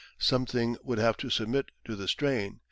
Something would have to submit to the strain.